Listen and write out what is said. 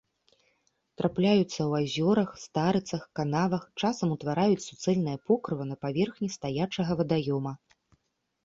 Трапляюцца ў азёрах, старыцах, канавах, часам утвараюць суцэльнае покрыва на паверхні стаячага вадаёма.